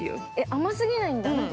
◆甘すぎないんだ。